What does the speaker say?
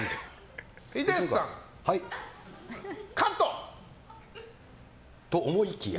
ヒデさん、カット！と思いきや。